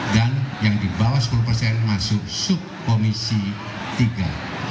dan yang di bawah sepuluh masuk subkomisi tiga